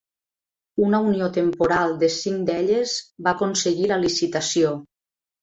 Una unió temporal de cinc d'elles va aconseguir la licitació.